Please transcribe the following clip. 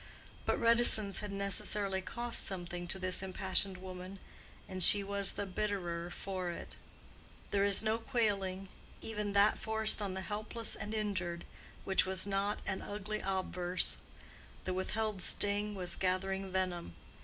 But reticence had necessarily cost something to this impassioned woman, and she was the bitterer for it. There is no quailing—even that forced on the helpless and injured—which has not an ugly obverse: the withheld sting was gathering venom.